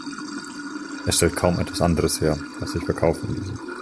Es stellt kaum etwas anderes her, was sich verkaufen ließe.